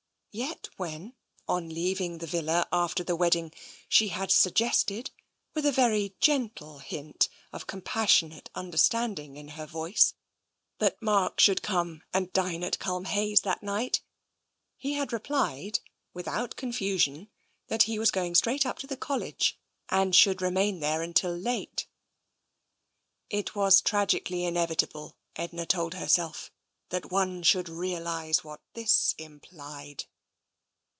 Yet when, on leaving the villa after the wedding, she had suggested, with a very gentle hint of compassionate understand ing in her voice, that Mark should come and dine at Culmhayes that night, he had replied, without con fusion, that he was going straight up to the College and should remain there late. 224 TENSION It was tragically inevitable, Edna told herself, that one should realise what this implied.